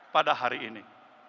pada hari ini